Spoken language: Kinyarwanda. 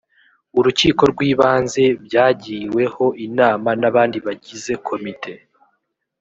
urikiko rw’ibanze byagiweho inama n’abandi bagize komite